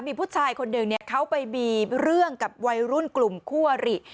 มีผู้ชายคนหนึ่งเขาไปมีเรื่องกับวัยรุ่นกลุ่มคู่อริ